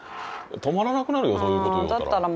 止まらなくなるよそういうこと言いよったら。